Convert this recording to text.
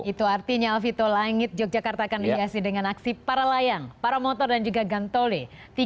itu artinya alvito langit yogyakarta akan dihiasi dengan aksi para layang para motor dan juga gantole